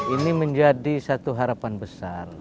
ini menjadi satu harapan besar